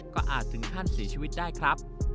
ก็อาจถึงขั้นเสียชีวิตได้ครับ